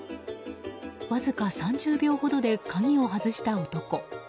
わずか３０秒ほどで鍵を外した男。